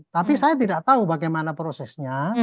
tapi saya tidak tahu bagaimana prosesnya